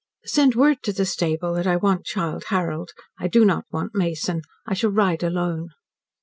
"Send word to the stable that I want Childe Harold. I do not want Mason. I shall ride alone."